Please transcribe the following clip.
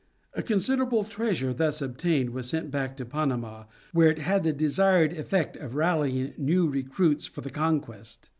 A considerable treasure thus obtained was sent back to Panama, where it had the desired effect of rallying new recruits for the conquest.